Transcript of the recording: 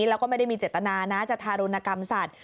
แล้วก็ไม่ได้มีเจตนานะจะทารุณกรรมสัตว